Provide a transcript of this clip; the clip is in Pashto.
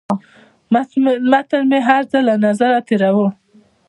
متن مې هر ځل له نظره تېراوه.